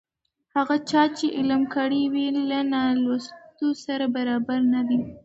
هغه چا چې علم زده کړی وي له نالوستي سره برابر نه دی.